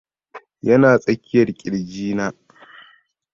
yana tsakiyar kirji na